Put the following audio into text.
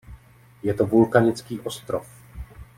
Je to vulkanický ostrov.